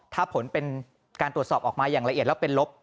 ถ้าผลเป็นการตรวจสอบออกมาอย่างละเอียดแล้วเป็นลบ